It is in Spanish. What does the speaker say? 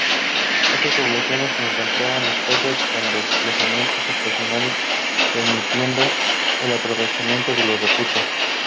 Estas poblaciones se encontraban dispersas con desplazamientos estacionales, permitiendo el aprovechamiento de los recursos.